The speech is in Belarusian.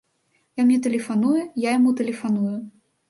Ён мне тэлефануе, я яму тэлефаную.